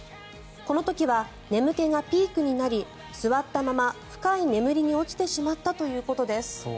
この時は眠気がピークになり座ったまま深い眠りに落ちてしまったということです。